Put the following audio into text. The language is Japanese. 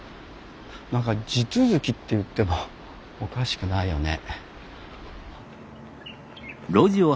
なんか地続きって言ってもおかしくないよね。